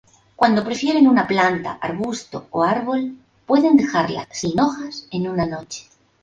Cuando prefieren una planta, arbusto o árbol, pueden dejarla sin hojas en una noche.